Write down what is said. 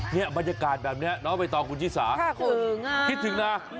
เนี่ยบรรยากาศแบบเนี้ยเนอะไปต่อกูจิศาข้าคุณคิดถึงน่ะ